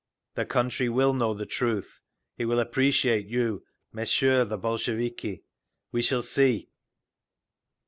The country will know the truth! It will appreciate you, Messrs. the Bolsheviki! We shall see!